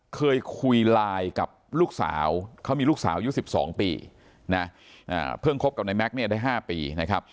เคยคุยไลน์กับลูกสาวเขามีลูกสาวยุค๑๒ปีเพิ่งคบกับนายแม็กซ์ได้๕ปี